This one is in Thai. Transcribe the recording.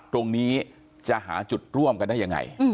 ตรงนี้จะหาจุดร่วมกันได้ยังไง